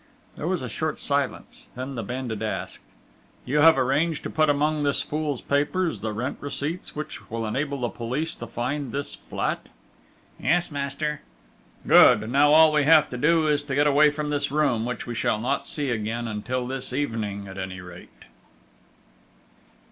There was a short silence, then the bandit asked: "You have arranged to put among this fool's papers the rent receipts, which will enable the police to find this flat?" "Yes, master!" "Good! Now all we have to do, is to get away from this room, which we shall not see again ... until this evening at any rate!"